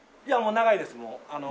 いやもう長いですもう。